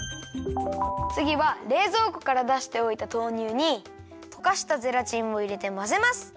つぎはれいぞうこからだしておいた豆乳にとかしたゼラチンをいれてまぜます。